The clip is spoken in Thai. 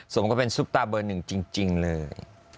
สมกับเป็นซุปตาเบอร์หนึ่งจริงเลย